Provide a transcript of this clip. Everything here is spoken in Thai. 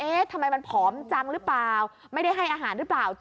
ทำไมมันผอมจังหรือเปล่าไม่ได้ให้อาหารหรือเปล่า